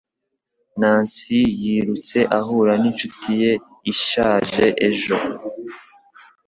Nancy yirutse ahura ninshuti ye ishaje ejo.